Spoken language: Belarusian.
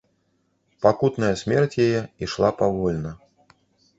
Пакутная смерць яе ішла павольна.